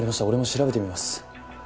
俺も調べてみます。